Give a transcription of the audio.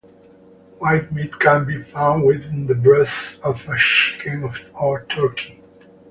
White meat can be found within the breast of a chicken or turkey.